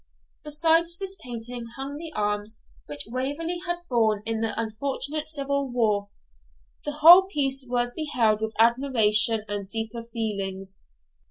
Beside this painting hung the arms which Waverley had borne in the unfortunate civil war. The whole piece was beheld with admiration and deeper feelings.